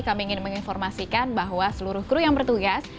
kami ingin menginformasikan bahwa seluruh kru yang bertugas